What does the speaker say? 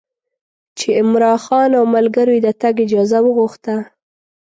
چې عمرا خان او ملګرو یې د تګ اجازه وغوښته.